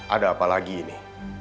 ada apa lagi ini